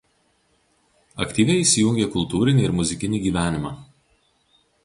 Aktyviai įsijungė į kultūrinį ir muzikinį gyvenimą.